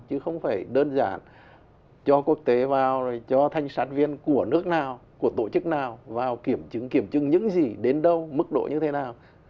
chứ không phải đơn giản cho quốc tế vào cho thanh sát viên của nước nào của tổ chức nào vào kiểm chứng kiểm chứng những gì đến đâu mức độ như thế nào